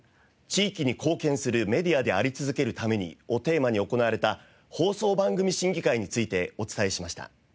地域に貢献するメディアであり続けるために」をテーマに行われた放送番組審議会についてお伝えしました。